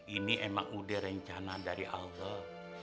ini emang udah rencana dari allah